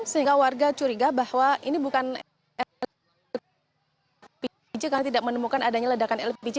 sehingga warga curiga bahwa ini bukan lpg karena tidak menemukan adanya ledakan lpg